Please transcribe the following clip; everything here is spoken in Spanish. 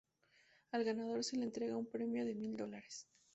Al ganador se le entrega un premio de mil dólares.